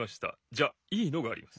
じゃいいのがあります。